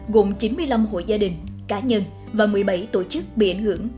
gồm chín mươi năm hội gia đình cá nhân và một mươi bảy tổ chức bị ảnh hưởng